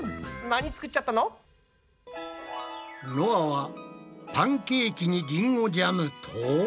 なに作っちゃったの？のあはパンケーキにリンゴジャムと。